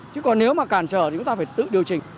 chứ còn nếu mà cản trở thì chúng ta phải tự điều chỉnh